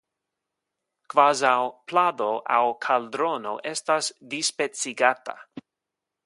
kvazaŭ plado aŭ kaldrono estas dispecigata.